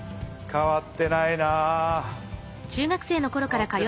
変わってないな。